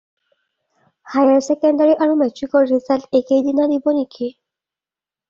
Higher secondary আৰু মেট্ৰিকৰ result একেই দিনা দিব নেকি?